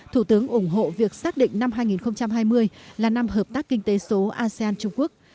thủ tướng ủng hộ việc xác định năm hai nghìn hai mươi là năm hợp tác kinh tế số asean trung quốc